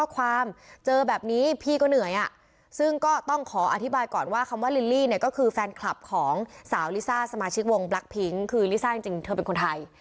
คือลิซ่าจริงเธอเป็นคนไทย